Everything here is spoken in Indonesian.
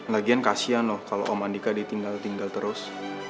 lagian kasihan loh kalo om andika ditinggal tinggal terus